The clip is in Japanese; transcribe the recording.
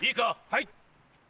はい。